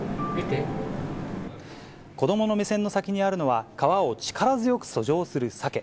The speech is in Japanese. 子どもの目線の先にあるのは、川を力強く遡上するサケ。